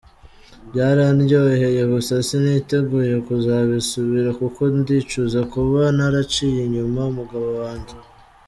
Byarandyoheye gusa siniteguye kuzabisubira kuko ndicuza kuba naraciye inyuma umugabo wange.